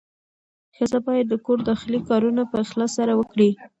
ښځه باید د کور داخلي کارونه په اخلاص سره وکړي.